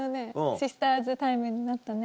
シスターズタイムになったね。